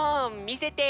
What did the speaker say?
みせて！